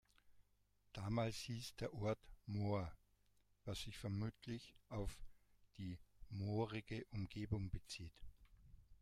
Damals hieß der Ort „Mor“, was sich vermutlich auf die moorige Umgebung bezieht.